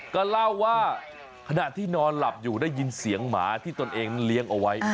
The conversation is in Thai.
ก็เล่าว่าขณะที่นอนหลับอยู่ได้ยินเสียงหมาที่ตนเองเลี้ยงเอาไว้